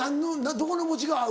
どこの餅が合う？